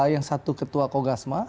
yang satu ketua kogasma